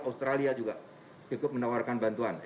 australia juga cukup menawarkan bantuan